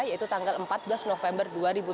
yaitu tanggal empat belas november dua ribu tujuh belas